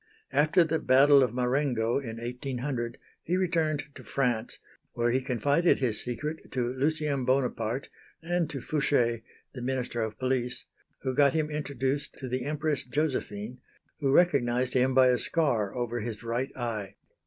After the battle of Marengo in 1800, he returned to France, where he confided his secret to Lucien Bonaparte and to Fouché (the Minister of Police), who got him introduced to the Empress Josephine, who recognised him by a scar over his right eye.